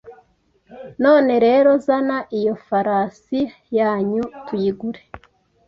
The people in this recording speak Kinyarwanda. None rero zana iyo farasi yanyu tuyigure